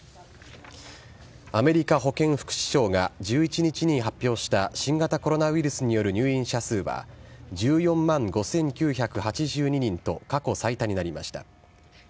アメリカ保健福祉省が１１日に発表した新型コロナウイルスによる入院者数は、１４万５９８２人と、過去最多になりました。